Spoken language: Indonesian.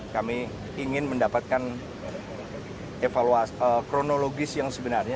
kami ingin mendapatkan kronologis yang sebenarnya